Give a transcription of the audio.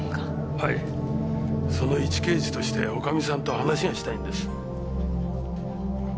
はいその一刑事として女将さんと話がしたいんです。